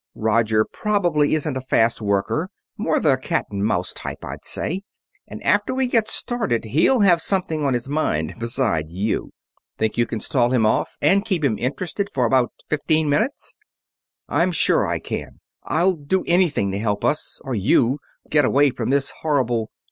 Roger probably isn't a fast worker more the cat and mouse type, I'd say and after we get started he'll have something on his mind besides you. Think you can stall him off and keep him interested for about fifteen minutes?" "I'm sure I can I'll do anything to help us, or you, get away from this horrible...."